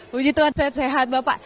puji tuh sehat sehat bapak